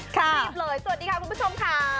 สวัสดีค่ะคุณผู้ชมค่ะ